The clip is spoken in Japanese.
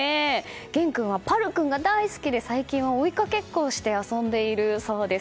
玄君は、ぱる君が大好きで最近は追いかけっこをして遊んでいるそうです。